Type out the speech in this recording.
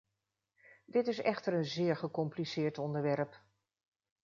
Dit is echter een zeer gecompliceerd onderwerp.